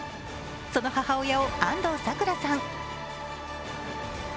その母親を安藤サクラさん。